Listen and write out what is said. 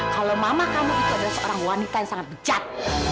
kalau mama kamu itu adalah seorang wanita yang sangat bijak